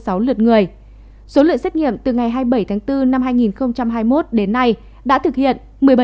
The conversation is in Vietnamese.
số lượng xét nghiệm từ ngày hai mươi bảy tháng bốn năm hai nghìn hai mươi một đến nay đã thực hiện